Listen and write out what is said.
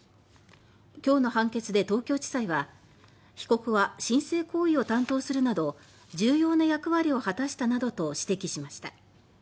今日の判決で東京地裁は「被告は申請行為を担当するなど重要な役割を果たした」などと指摘しました。